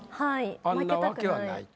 あんなわけはないと。